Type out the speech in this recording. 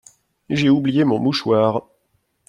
J’ai oublié mon mouchoir !…